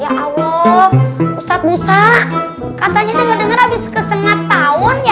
ya allah ustadz musa katanya nggak dengar habis kesengat tahun ya